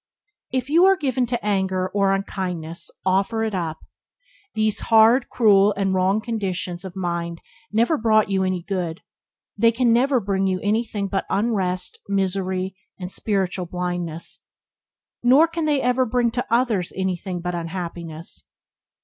If you are given to anger or unkindness offer it up. These hard, cruel, and wrong conditions of mind never brought you any good; they can never bring you anything but unrest, misery, and spiritual blindness. Nor can they ever bring to others anything but unhappiness.